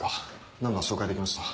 ナンバー照会できました？